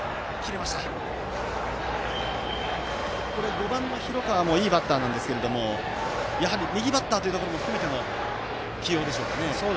５番の広川もいいバッターなんですけどやはり右バッターというところも含めての起用でしょうか？